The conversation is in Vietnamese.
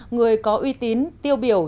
người có uy tín tiêu biểu